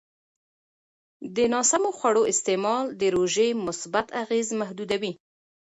د ناسمو خوړو استعمال د روژې مثبت اغېز محدودوي.